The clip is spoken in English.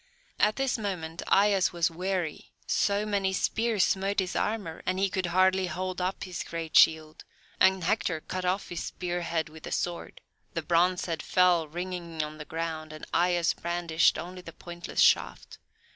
At this moment Aias was weary, so many spears smote his armour, and he could hardly hold up his great shield, and Hector cut off his spear head with the sword; the bronze head fell ringing on the ground, and Aias brandished only the pointless shaft.